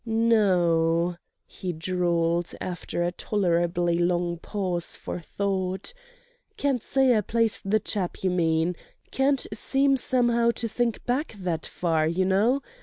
"No o," he drawled after a tolerably long pause for thought—"can't say I place the chap you mean, can't seem somehow to think back that far, you know.